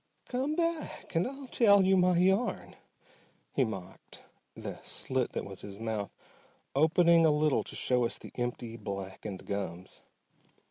"Come back and I'll tell you my yarn," he mocked, the slit that was his mouth opening a little to show us the empty, blackened gums.